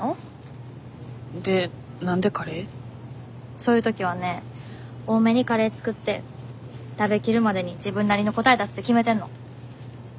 そういう時はね多めにカレー作って食べきるまでに自分なりの答え出すって決めてんの。